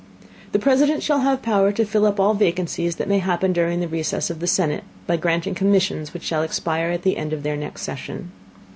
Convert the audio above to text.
The President shall have Power to fill up all Vacancies that may happen during the Recess of the Senate, by granting Commissions which shall expire at the End of their next session.